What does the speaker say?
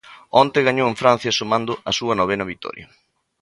Onte gañou en Francia, sumando a súa novena vitoria.